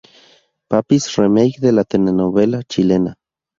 Papis", remake de la telenovela chilena.